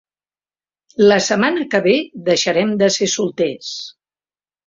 La setmana que ve deixarem de ser solters.